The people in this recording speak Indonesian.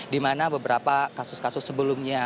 dimana beberapa kasus kasus sebelumnya